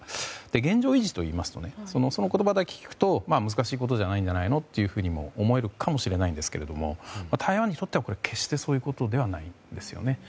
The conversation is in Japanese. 現状維持といいますとその言葉だけ聞きますと難しいことじゃないんじゃないのと思えるかもしれないんですけれども台湾にとっては決して、そういうことではないんですよね。